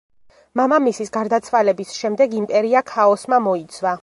მამამისის გარდაცვალების შემდეგ იმპერია ქაოსმა მოიცვა.